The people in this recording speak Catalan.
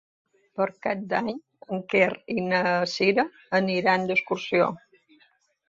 Per Cap d'Any en Quer i na Cira aniran d'excursió.